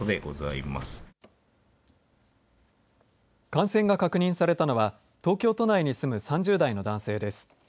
感染が確認されたのは東京都内に住む３０代の男性です。